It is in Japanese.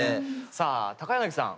さあ高柳さん。